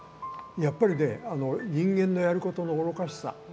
やっぱりね人間のやることの愚かしさ。